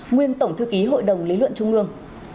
nguyên tổng thư ký hội đồng lý luận trung ương